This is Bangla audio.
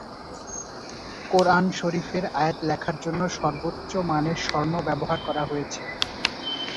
কুরআন শরীফের আয়াত লেখার জন্য সর্বোচ্চ মানের স্বর্ণ ব্যবহার করা হয়েছে।